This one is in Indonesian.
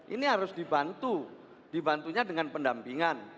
ini harus dibantu dibantunya dengan pendampingan